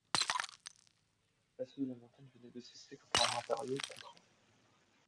L’assaut de la montagne venait de cesser comme par un impérieux contre-ordre.